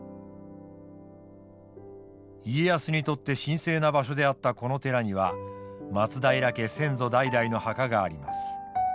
家康にとって神聖な場所であったこの寺には松平家先祖代々の墓があります。